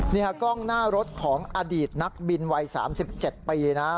นี่ฮะกล้องหน้ารถของอดีตนักบินวัยสามสิบเจ็ดปีนะฮะ